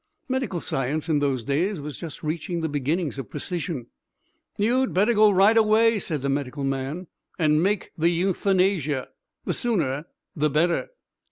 Medical science in those days was just reaching the beginnings of precision. "You'd better go right away," said the medical man, "and make the Euthanasia. The sooner the better."